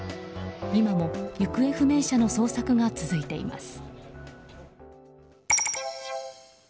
今も行方不明者の捜索が続いています。